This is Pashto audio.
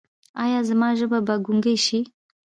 ایا زما ژبه به ګونګۍ شي؟